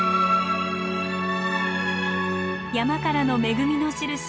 山からの恵みのしるし